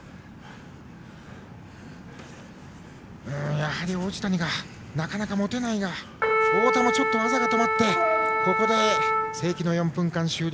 やはり王子谷なかなか持てないが太田もちょっと技が止まってここで正規の４分間終了。